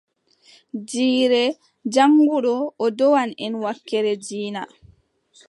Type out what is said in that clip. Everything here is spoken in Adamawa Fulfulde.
Jiire jaŋnguɗo, o ɗowan en wakkeere diina.